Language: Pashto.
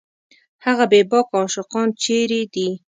هغه بېباکه عاشقان چېرې دي